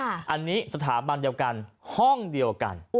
อันนี้สถาบันเดียวกันห้องเดียวกัน